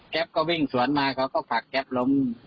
ก็วิ่งสวนมาเขาก็ผลักแก๊ปล้ม